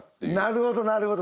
なるほどなるほど。